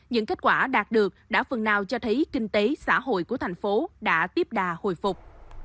những kết quả đạt được đã phần nào cho thấy kinh tế xã hội của thành phố đã tiếp đà hồi phục